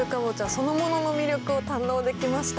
そのものの魅力を堪能できました。